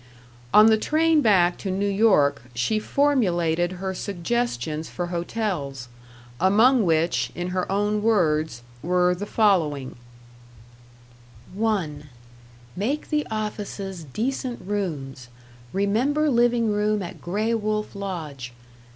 On the train back to New York she formulated her suggestions for hotels, among which, in her own words, were the following: "(1) Make the offices decent rooms rem. living room at Gray Wolf Lodge.